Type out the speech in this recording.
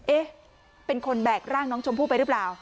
เอ๊ะเป็นคนแบกร่างน้องชมพู่ไปหรือเปล่า